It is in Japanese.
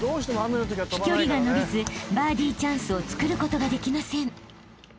［飛距離が伸びずバーディチャンスをつくることができません］